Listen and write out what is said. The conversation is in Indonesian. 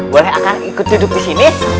boleh akan ikut duduk disini